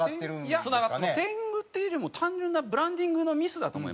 いや天狗っていうよりも単純なブランディングのミスだと思いますけどね。